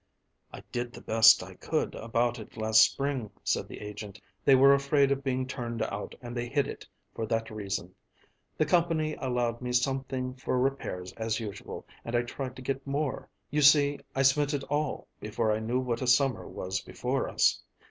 "I did the best I could about it last spring," said the agent. "They were afraid of being turned out and they hid it for that reason. The company allowed me something for repairs as usual and I tried to get more; you see I spent it all before I knew what a summer was before us.